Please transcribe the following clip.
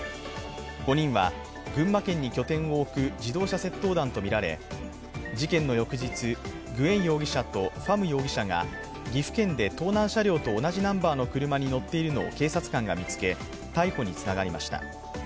５人は群馬県に拠点を置く自動車窃盗団とみられ事件の翌日、グエン容疑者とファム容疑者が岐阜県で盗難車両と同じナンバーの車に乗っているのを警察官が見つけ逮捕につながりました。